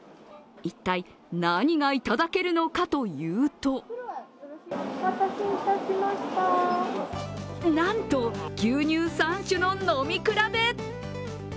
一体何がいただけるのかというとなんと牛乳３種の飲み比べ。